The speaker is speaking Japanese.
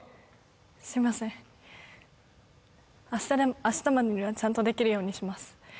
すみません明日で明日までにはちゃんとできるようにします